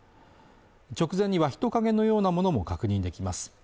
直前には人影のようなものも確認できます